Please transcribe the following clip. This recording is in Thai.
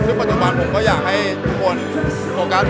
ซึ่งปัจจุบันผมก็อยากให้ทุกคนโฟกัส